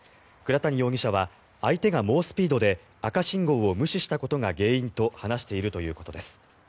倉谷容疑者は相手が猛スピードで赤信号を無視したことが原因と話しているということです。